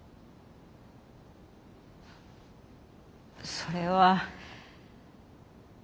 それは。